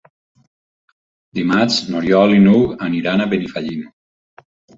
Dimarts n'Oriol i n'Hug iran a Benifallim.